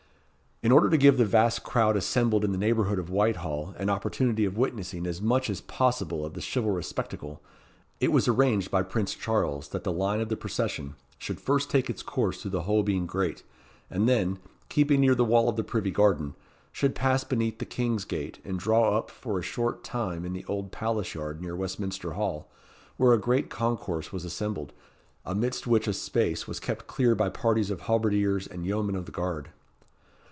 In order to give the vast crowd assembled in the neighbourhood of Whitehall, an opportunity of witnessing as much as possible of the chivalrous spectacle, it was arranged by Prince Charles that the line of the procession should first take its course through the Holbein Grate, and then, keeping near the wall of the Privy Garden, should pass beneath the King's Gate and draw up for a short time in the Old Palace yard near Westminster hall, where a great concourse was assembled, amidst which a space was kept clear by parties of halberdiers and yeomen of the guard.